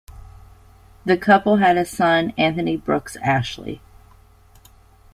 The couple had a son, Anthony Brooks Ashley.